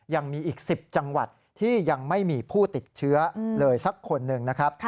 ยังมีอีก๑๐จังหวัดที่ยังไม่มีผู้ติดเชื้อเลยสักคนหนึ่งนะครับ